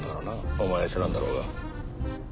お前は知らんだろうが。